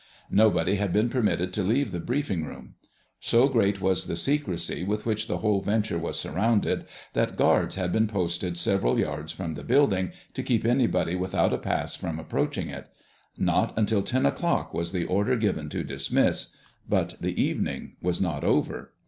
Nobody had been permitted to leave the briefing room. So great was the secrecy with which the whole venture was surrounded that guards had been posted several yards from the building, to keep anybody without a pass from approaching it. Not until ten o'clock was the order given to dismiss; but the evening was not over.